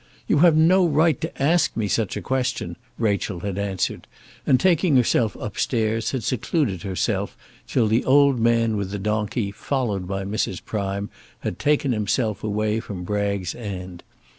"You have no right to ask me such a question," Rachel had answered, and taking herself up stairs had secluded herself till the old man with the donkey, followed by Mrs. Prime, had taken himself away from Bragg's End.